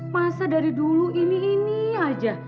masa dari dulu ini ini aja